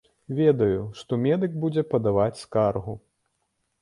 Ведаю, што медык будзе падаваць скаргу.